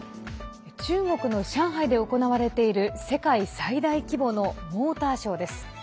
中国の上海で行われている世界最大規模のモーターショーです。